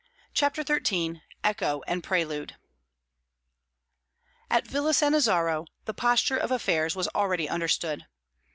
CHAPTER XIII ECHO AND PRELUDE At Villa Sannazaro, the posture of affairs was already understood.